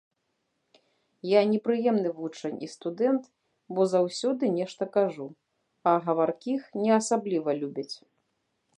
Я непрыемны вучань і студэнт, бо заўсёды нешта кажу, а гаваркіх не асабліва любяць.